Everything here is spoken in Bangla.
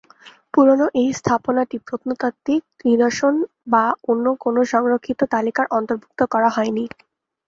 পুরনো এই স্থাপনাটি প্রত্নতাত্ত্বিক নিদর্শন বা অন্য কোন সংরক্ষিত তালিকার অন্তর্ভুক্ত করা হয়নি।